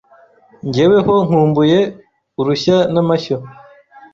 Jyewe ho nkumbuye urushya n'amashyo